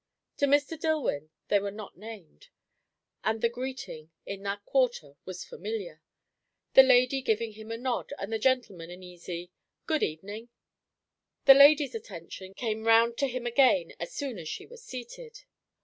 To Mr. Dillwyn they were not named; and the greet ing in that quarter was familiar; the lady giving him a nod, and the gentleman an easy "Good evening." The lady's attention came round to him again as soon as she was seated.